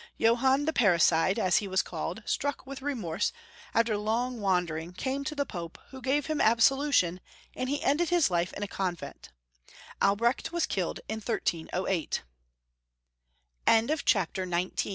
Johann the Parricide, as he was called, struck with remorse, after long wandering, came to the Pope, who gave him ab solution, and he ended his life in a convent. Al brecht was killed in 1308.